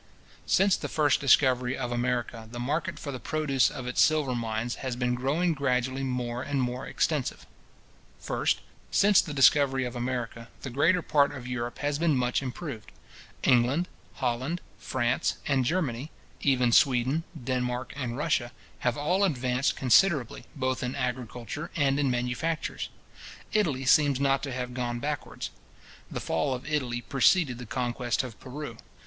Since the first discovery of America, the market for the produce of its silver mines has been growing gradually more and more extensive. First, the market of Europe has become gradually more and more extensive. Since the discovery of America, the greater part of Europe has been much improved. England, Holland, France, and Germany; even Sweden, Denmark, and Russia, have all advanced considerably, both in agriculture and in manufactures. Italy seems not to have gone backwards. The fall of Italy preceded the conquest of Peru.